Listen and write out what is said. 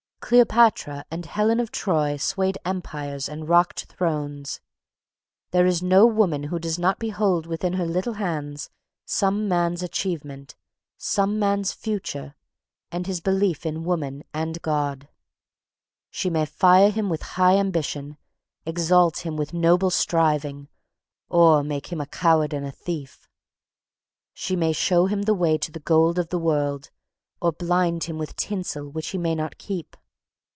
Cleopatra and Helen of Troy swayed empires and rocked thrones. There is no woman who does not hold within her little hands some man's achievement, some man's future, and his belief in woman and God. She may fire him with high ambition, exalt him with noble striving, or make him a coward and a thief. She may show him the way to the gold of the world, or blind him with tinsel which he may not keep.